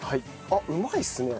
あっうまいっすね。